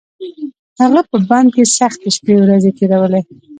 هغه په بند کې سختې شپې ورځې تېرولې.